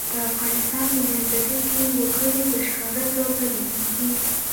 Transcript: د افغانستان په منظره کې وګړي په ښکاره توګه لیدل کېږي.